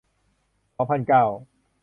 สองพันเก้า